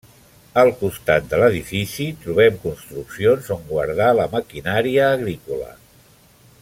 Al costat de l'edifici trobem construccions on guardar la maquinària agrícola.